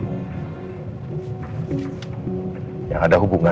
hal yang mengancam keluarga kamu